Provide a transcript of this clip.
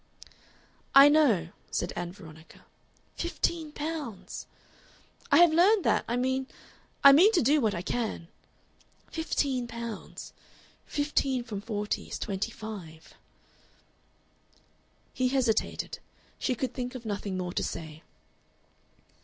"I know," said Ann Veronica (fifteen pounds!). "I have learned that. I mean I mean to do what I can." (Fifteen pounds. Fifteen from forty is twenty five.) He hesitated. She could think of nothing more to say.